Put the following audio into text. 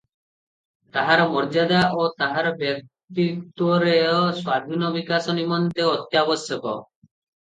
ତାହାର ମର୍ଯ୍ୟାଦା ଓ ତାହାର ବ୍ୟକ୍ତିତ୍ୱର ସ୍ୱାଧୀନ ବିକାଶ ନିମନ୍ତେ ଅତ୍ୟାବଶ୍ୟକ ।